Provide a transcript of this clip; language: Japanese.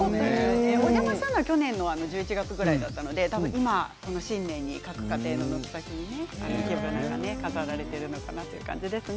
お邪魔したのは去年の１１月ぐらいだったので今、新年の各家庭の軒先に飾られているのかなという感じですね。